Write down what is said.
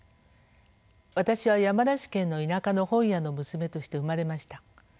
私は山梨県の田舎の本屋の娘として生まれました。